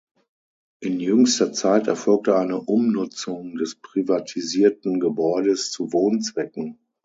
In jüngster Zeit erfolgte eine Umnutzung des privatisierten Gebäudes zu Wohnzwecken.